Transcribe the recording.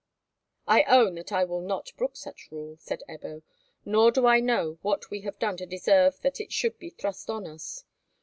"I own that I will not brook such rule," said Ebbo; "nor do I know what we have done to deserve that it should be thrust on us.